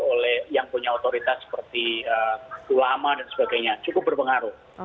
oleh yang punya otoritas seperti ulama dan sebagainya cukup berpengaruh